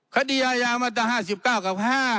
คดียายามัตตา๕๙กับ๕